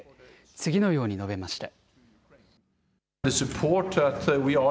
次のように述べました。